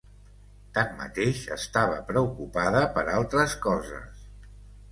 Tanmateix, estava preocupada per altres coses.